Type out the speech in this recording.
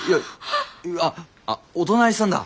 あお隣さんだ。